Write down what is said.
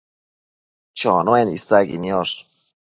Chonuen isaqui niosh